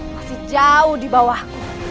masih jauh di bawahku